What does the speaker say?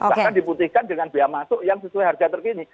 bahkan diputihkan dengan biaya masuk yang sesuai harga terkini